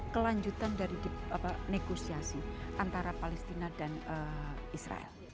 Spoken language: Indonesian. kelanjutan dari negosiasi antara palestina dan israel